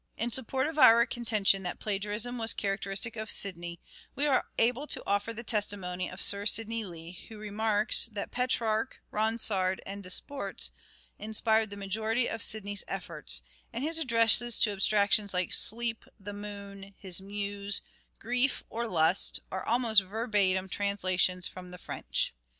In support of our contention that plagiarism was characteristic of Sidney, we are able to offer the testimony of Sir Sidney Lee, who remarks that " Petrarch, Ronsard and Desportes inspired the majority of Sidney's efforts, and his addresses to abstractions like sleep, the moon, his muse, grief or lust are almost verbatim translations from the French."